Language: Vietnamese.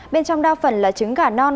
bên trong đa phần là trứng gà non